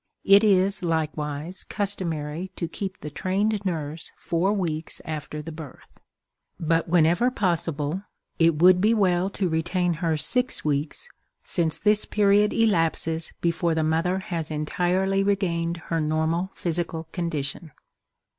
It is, likewise, customary to keep the trained nurse four weeks after the birth; but whenever possible it would be well to retain her six weeks, since this period elapses before the mother has entirely regained her normal physical condition.